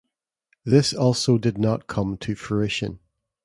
This also did not come to fruition.